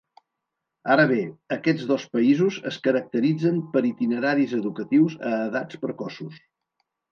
Ara bé, aquests dos països es caracteritzen per itineraris educatius a edats precoços.